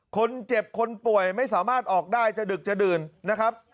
คนเจ็บคนป่วยไม่สามารถออกได้จะดึกจะดื่นนะครับ